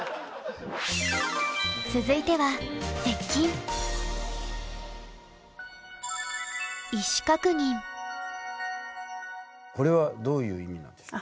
続いてはこれはどういう意味なんでしょう？